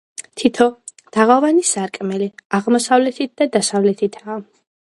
თითო თაღოვანი სარკმელი აღმოსავლეთით და დასავლეთითაა.